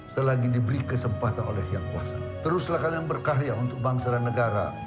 selagi diberi kesempatan oleh yang kuasa teruslah kalian berkarya untuk bangsa dan negara